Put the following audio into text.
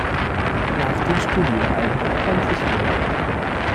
Nach den Studioalben "Endlich Urlaub!